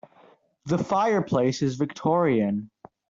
This fireplace is Victorian.